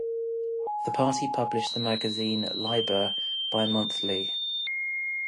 The party published the magazine "Liber" bi-monthly.